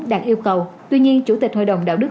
đạt yêu cầu tuy nhiên chủ tịch hội đồng đạo đức